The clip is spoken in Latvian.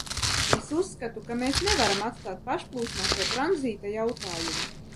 Es uzskatu, ka mēs nevaram atstāt pašplūsmā šo tranzīta jautājumu.